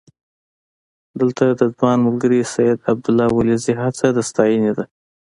دلته د ځوان ملګري سید عبدالله ولیزي هڅه د ستاینې ده.